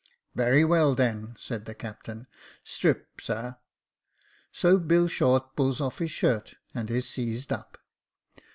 "'Very well, then,' said the captain; * strip, sir.' So Bill Short pulls off his shirt, and is seized up.